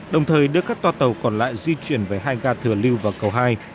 đồng thời đưa các toa tàu còn lại di chuyển về hai ga thừa lệch